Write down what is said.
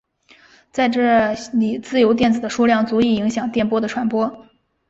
在这里自由电子的数量足以影响电波的传播。